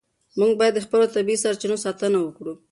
موږ باید د خپلو طبیعي سرچینو ساتنه وکړو.